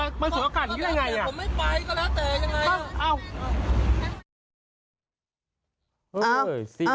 อันนี้ในเมื่อแทรศการนะพี่จะมาสู่โอกาสอย่างนี้ได้ไง